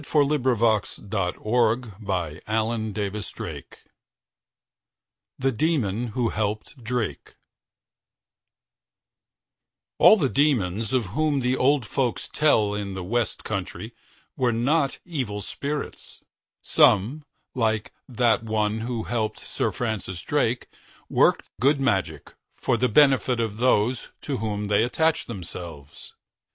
[Illustration: Buckfast Abbey] THE DEMON WHO HELPED DRAKE All the demons of whom the old folks tell in the West Country were not evil spirits. Some, like that one who helped Sir Francis Drake, worked good magic for the benefit of those to whom they attached themselves.